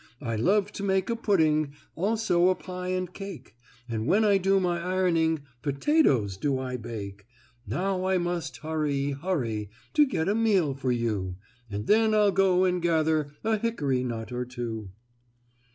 "I love to make a pudding, Also a pie and cake. And when I do my ironing, Potatoes do I bake. "Now I must hurry hurry, To get a meal for you, And then I'll go and gather A hickory nut or two."